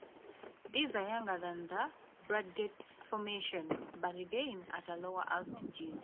These are younger than the Bradgate Formation, but again at a lower altitude.